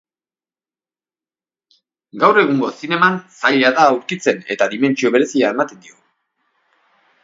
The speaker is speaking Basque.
Gaur egungo zineman zaila da aurkitzen eta dimentsio berezia ematen dio.